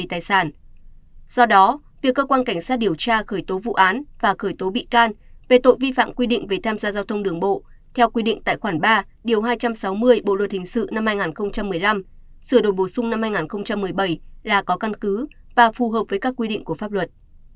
theo quy định tài khoản ba điều hai trăm sáu mươi bộ luật hình sự năm hai nghìn một mươi năm sửa đồ bổ sung năm hai nghìn một mươi bảy là có căn cứ và phù hợp với các quy định của pháp luật